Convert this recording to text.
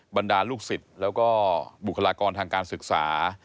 บรรดาลูกศิษย์แล้วก็บุคลากรทางการศึกษา